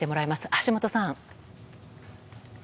橋本さん。